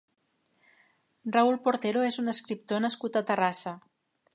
Raúl Portero és un escriptor nascut a Terrassa.